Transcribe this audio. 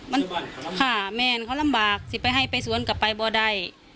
ค่าาเม็นท์ข่าวนำบากสิไปให้กระซวร์นกลับไปบ่ใด